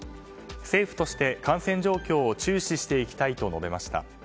政府として、感染状況を注視していきたいと述べました。